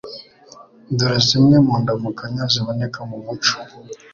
Dore zimwe mu ndamukanyo ziboneka mu muco